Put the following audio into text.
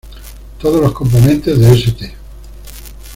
Todos los componentes de St.